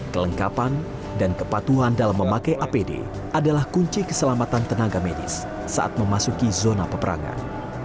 kelengkapan dan kepatuhan dalam memakai apd adalah kunci keselamatan tenaga medis saat memasuki zona peperangan